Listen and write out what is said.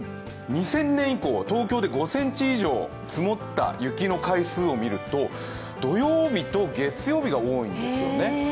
２０００年以降、東京で５ｃｍ以上積もった雪の回数を見ると土曜日と月曜日が多いんですよね。